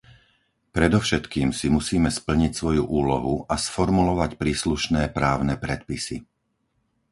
Predovšetkým si musíme splniť svoju úlohu a sformulovať príslušné právne predpisy.